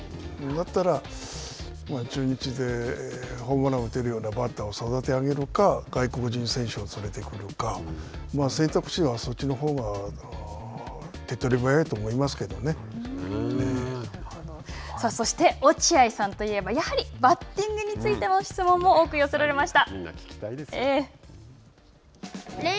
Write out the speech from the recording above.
だったら、中日でホームランを打てるようなバッターを育て上げるか、外国人選手を連れてくるか選択肢はそっちのほうがそして、落合さんといえばやはりバッティングについても質問も多く寄せられました。